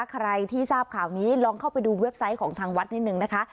ใครที่ทราบข่าวนี้ลองเข้าไปดูเว็บไซต์ของทางวัดนิดนึงนะคะ